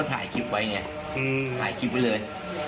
ได้กลัวแพ้เลย